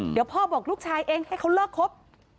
เดี๋ยวพ่อบอกลูกชายเองให้เขาเลิกครบ